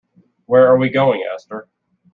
Where are we going, Esther?